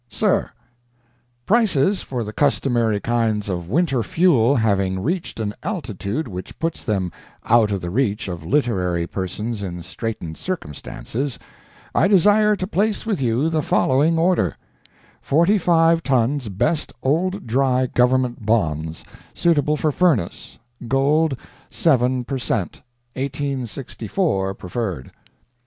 Sir, Prices for the customary kinds of winter fuel having reached an altitude which puts them out of the reach of literary persons in straitened circumstances, I desire to place with you the following order: Forty five tons best old dry government bonds, suitable for furnace, gold 7 per cents., 1864, preferred.